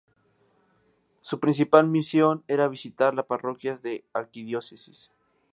Su principal misión era visitar las parroquias de la arquidiócesis.